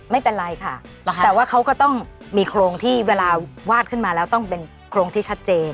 ไม่เป็นไรค่ะแต่ว่าเขาก็ต้องมีโครงที่เวลาวาดขึ้นมาแล้วต้องเป็นโครงที่ชัดเจน